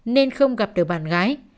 nên không gặp được bạn gái